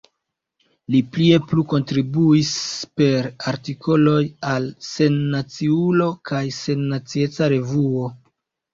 Li plie plu kontribuis per artikoloj al Sennaciulo kaj Sennacieca Revuo.